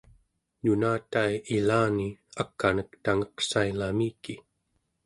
nunatai ilani ak'anek tangeqsailamiki